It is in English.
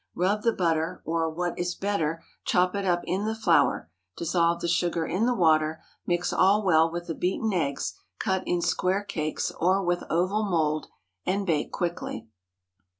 Rub the butter, or, what is better, chop it up in the flour; dissolve the sugar in the water; mix all well with the beaten eggs, cut in square cakes, or with oval mould, and bake quickly.